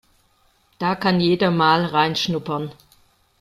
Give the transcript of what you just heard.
Da kann jeder mal reinschnuppern.